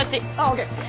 ＯＫ。